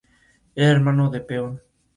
Era hermano de Peón.